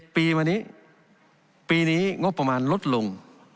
ปีมานี้ปีนี้งบประมาณลดลง